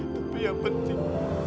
tapi yang penting